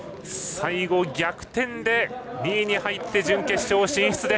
最後、逆転で２位に入って準決勝進出。